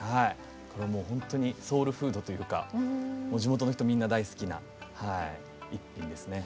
これはもう本当にソウルフードというかもう地元の人みんな大好きな一品ですね。